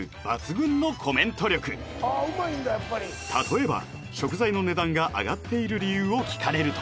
例えば食材の値段が上がっている理由を聞かれると